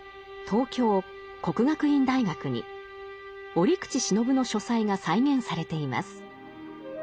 東京・國學院大學に折口信夫の書斎が再現されています。